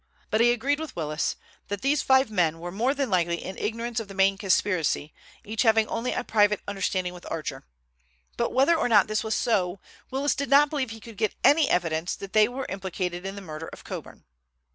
But he agreed with Willis that these five men were more than likely in ignorance of the main conspiracy, each having only a private understanding with Archer. But whether or not this was so, Willis did not believe he could get any evidence that they were implicated in the murder of Coburn.